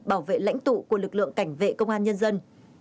bảo vệ lãnh tụ của lực lượng cảnh vệ công an nhân dân